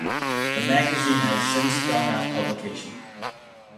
The magazine has since gone out of publication.